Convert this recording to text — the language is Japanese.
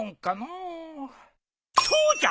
そうじゃ！